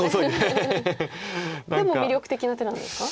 でも魅力的な手なんですか？